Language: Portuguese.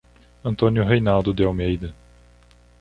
Antônio Reinaldo de Almeida